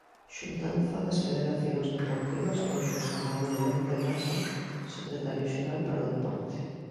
Xuntanza das federacións deportivas con Xosé Ramón Lete Lasa, secretario xeral para o deporte.